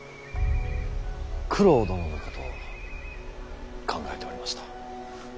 九郎殿のことを考えておりました。